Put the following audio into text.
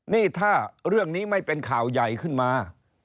นี่ถ้าเรื่องนี้ไม่เป็นข่าวใหญ่ขึ้นมา